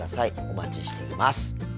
お待ちしています。